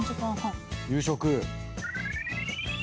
夕食。